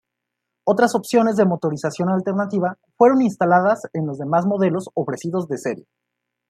Otras opciones de motorización alternativa fueron instaladas en los demás modelos ofrecidos de serie.